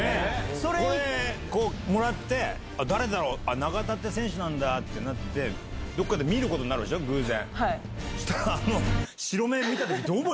これもらって「永田って選手なんだ」ってなってどっかで見ることになるでしょ偶然。